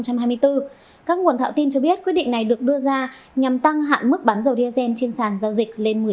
các nguồn thạo tin cho biết quyết định này được đưa ra nhằm tăng hạn mức bắn dầu diazen trên sàn giao dịch lên một mươi sáu